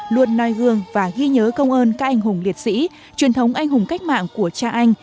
luôn noi gương và ghi nhớ công ơn các anh hùng liệt sĩ truyền thống anh hùng cách mạng của cha anh